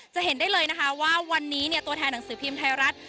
จะเห็นได้เลยนะคะว่าวันนี้ตัวแทนหนังสือพิมพ์ไทยรัฐ